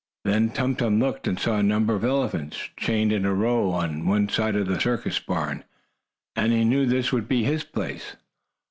Then Tum Tum looked and saw a number of elephants, chained in a row on another side of the circus barn, and he knew that would be his place.